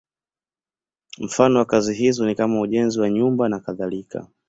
Mfano wa kazi hizo ni kama ujenzi wa nyumba nakadhalika.